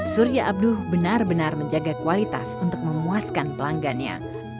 surya abduh benar benar menjaga kualitas untuk memuaskan pelanggannya